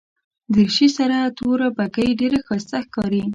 دریشي سره توره بګۍ ډېره ښایسته ښکاري.